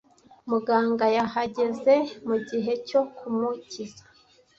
Muganga yahageze mugihe cyo kumukiza.